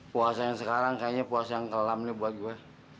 puasa yang sekarang kayaknya puasa yang kelam nih buat gue